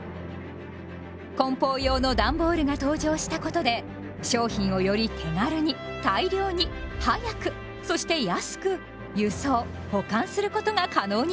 梱包用のダンボールが登場したことで商品をより手軽に大量に早くそして安く輸送・保管することが可能になったのです。